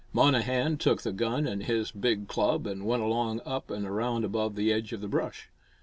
Monnehan took the gun and his big club and went along up and around above the edge of the brush.